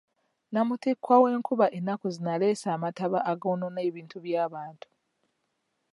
Namuttikwa w'enkuba ennaku zino aleese amataba agoonoona ebintu by'abantu.